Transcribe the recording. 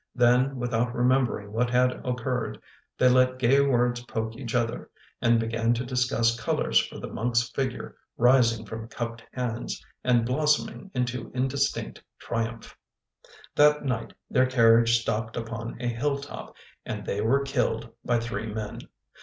Then, without remembering what had occurred, they let gay words poke each other and began to discuss colors for the monk's figure rising from cupped hands and blossoming into indistinct triumph. That night their carriage stopped upon a hilltop and they were killed by three men.